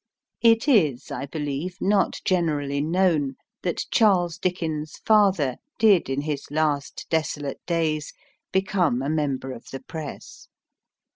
It is, I believe, not generally known that Charles Dickens's father did in his last desolate days become a member of the Press.